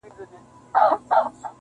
مُلا وویله خدای مي نګهبان دی!.